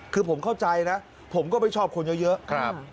คือผมเข้าใจนะผมก็ไม่ชอบคนเยอะ